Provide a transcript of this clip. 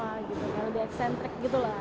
lebih eksentrik gitu lah